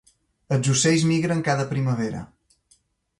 Els ocells migren cada primavera.